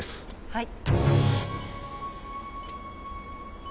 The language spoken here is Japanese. はい。